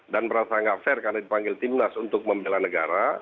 dan merasa nggak fair karena dipanggil timnas untuk memilih negara